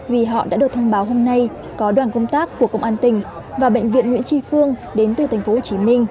vì họ đã được thông báo hôm nay có đoàn công tác của công an tỉnh và bệnh viện nguyễn tri phương đến từ tp hcm